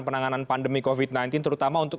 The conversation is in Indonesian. penanganan pandemi covid sembilan belas terutama untuk